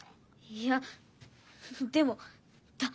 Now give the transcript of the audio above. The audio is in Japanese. いやでもだ